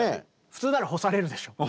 普通なら干されるでしょ。